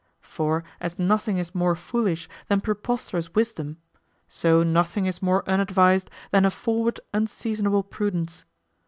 For as nothing is more foolish than preposterous wisdom, so nothing is more unadvised than a forward unseasonable prudence.